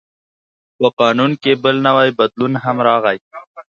په قانون کې بل نوی بدلون هم راغی.